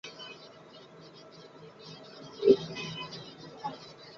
La producción estaba siendo desarrollada por Eric Kripke, Evan Goldberg, y Seth Rogen.